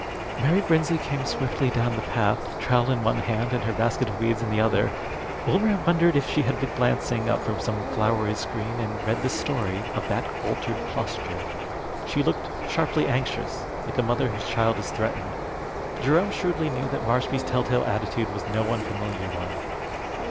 Mary Brinsley came swiftly down the path, trowel in one hand and her basket of weeds in the other. Wilmer wondered if she had been glancing up from some flowery screen and read the story of that altered posture. She looked sharply anxious, like a mother whose child is threatened. Jerome shrewdly knew that Marshby's telltale attitude was no unfamiliar one.